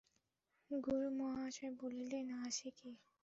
গুরুমহাশয় বলিলেন, হাসে কে?